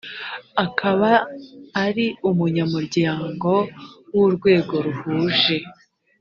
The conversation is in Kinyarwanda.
akaba ari umunyamuryango w urwego ruhuje